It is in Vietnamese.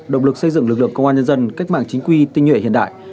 động lực xây dựng lực lượng công an nhân dân cách mạng chính quy tinh nhuệ hiện đại